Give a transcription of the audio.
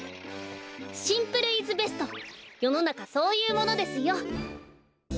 シンプルイズベストよのなかそういうものですよ。